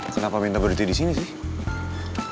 kenapa minta berhenti disini sih